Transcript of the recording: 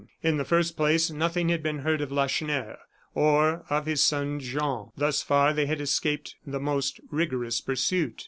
In the first place, nothing had been heard of Lacheneur, or of his son Jean; thus far they had escaped the most rigorous pursuit.